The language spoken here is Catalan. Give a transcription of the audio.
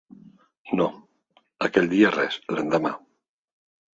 No, aquell dia res, l'endemà.